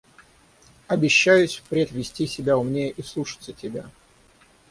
Обещаюсь вперед вести себя умнее и слушаться тебя.